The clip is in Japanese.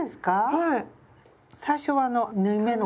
はい。